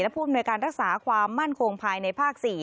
ผู้อำนวยการรักษาความมั่นคงภายในภาค๔